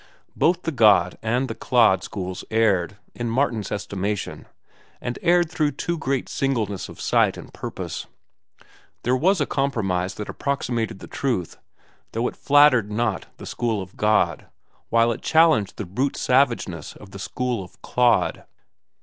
Both the god and the clod schools erred, in Martin's estimation, and erred through too great singleness of sight and purpose. There was a compromise that approximated the truth, though it flattered not the school of god, while it challenged the brute savageness of the school of clod.